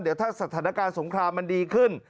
เดี๋ยวถ้าสถานการณ์สงครามมันดีขึ้น